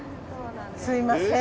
すいません。